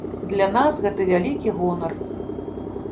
Для нас гэта вялікі гонар.